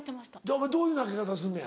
お前どういう投げ方すんねや？